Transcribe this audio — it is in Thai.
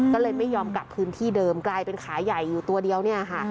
ก็เลยไม่ยอมกลับพื้นที่เดิมกลายเป็นขายใหญ่อยู่ตัวเดียวเนี่ยค่ะ